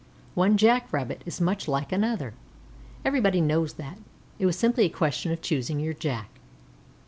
One Jack rabbit is much like another. Everybody knows that; it was simply a question of choosing your Jack.